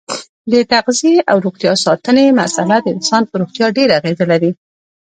د تغذیې او روغتیا ساتنې مساله د انسان په روغتیا ډېره اغیزه لري.